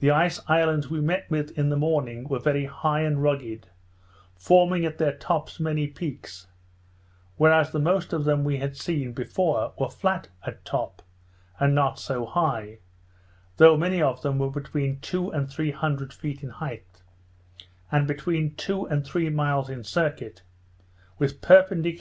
The ice islands we met with in the morning were very high and rugged, forming at their tops, many peaks; whereas the most of those we had seen before, were flat at top, and not so high; though many of them were between two and three hundred feet in height, and between two and three miles in circuit, with perpendicular cliffs or sides, astonishing to behold.